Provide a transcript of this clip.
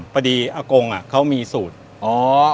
พอดีอากงเขามีสูตรอ๋อ